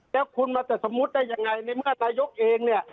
แล้วคุณจะสมมุติได้ยังไงในเมื่อที่นายยกเอง